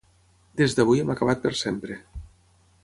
Des d'avui hem acabat per sempre.